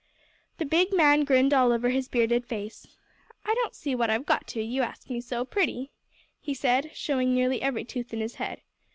The big man grinned all over his bearded face. "I don't see but what I've got to, you ask me so pretty," he said, showing nearly every tooth in his head.